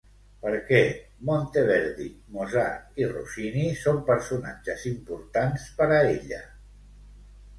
Per què Monteverdi, Mozart i Rossini són personatges importants per a ella?